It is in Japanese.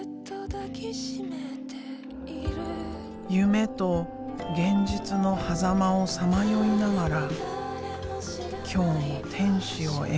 夢と現実のはざまをさまよいながら今日も天使を描く。